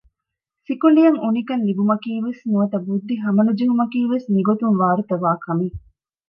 ސިކުނޑިޔަށް އުނިކަން ލިބުމަކީވެސް ނުވަތަ ބުއްދިހަމަނުޖެހުމަކީވެސް މިގޮތުން ވާރުތަވާކަމެއް